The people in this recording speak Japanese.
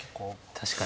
確かに。